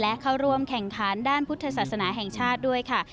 และเข้าร่วมแข่งขันด้านพุทธศาสนาแห่งชาติด้วยค่ะ